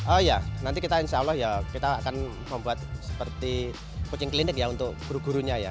oh iya nanti kita insya allah ya kita akan membuat seperti kucing klinik ya untuk guru gurunya ya